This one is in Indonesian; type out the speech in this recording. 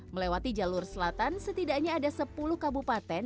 melewati jalur selatan setidaknya ada sepuluh kabupaten